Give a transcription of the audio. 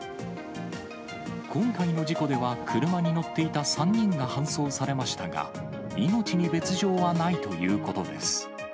今回の事故では車に乗っていた３人が搬送されましたが、命に別状はないということです。